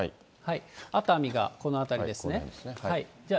熱海がこの辺りですね。